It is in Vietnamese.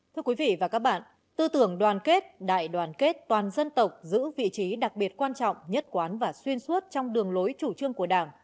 thưa quý vị và các bạn tư tưởng đoàn kết đại đoàn kết toàn dân tộc giữ vị trí đặc biệt quan trọng nhất quán và xuyên suốt trong đường lối chủ trương của đảng